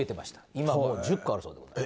今１０個あるそうでございます。